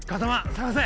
捜せ！